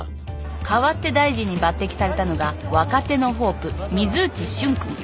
代わって大臣に抜てきされたのが若手のホープ水内俊君。